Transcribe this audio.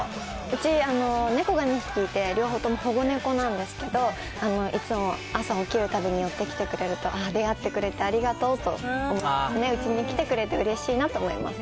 うち、猫が２匹いて、両方とも保護猫なんですけど、いつも朝起きるたびに寄ってきてくれると、出会ってくれてありがとうと思いますね、うちに来てくれてうれしいなと思います。